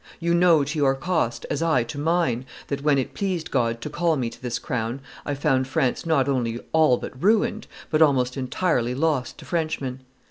You know to your cost, as I to mine, that when it pleased God to call me to this crown, I found France not only all but ruined, but almost entirely lost to Frenchmen.